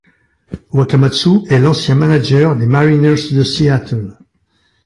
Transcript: Wakamatsu est l'ancien manager des Mariners de Seattle.